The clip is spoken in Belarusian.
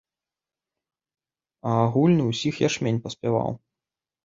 А агульны ўсіх ячмень паспяваў!